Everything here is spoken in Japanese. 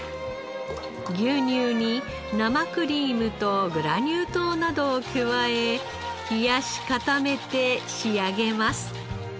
牛乳に生クリームとグラニュー糖などを加え冷やし固めて仕上げます。